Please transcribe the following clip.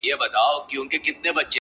• چي بیا يې ونه وینم ومي نه ويني،